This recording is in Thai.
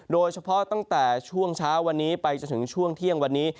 โดยเฉพาะตั้งแต่ช่วงเช้าวันนี้ไปจนถึงช่วงเที่ยงวันนี้